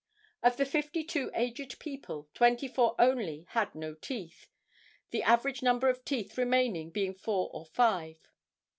"Of the fifty two aged people, twenty four only had no teeth, the average number of teeth remaining being four or five.